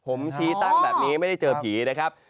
ผมชี้ตั้งแบบนี้ไม่ได้เจอผีนะครับ